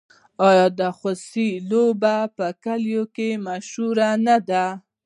آیا د خوسي لوبه په کلیو کې مشهوره نه ده؟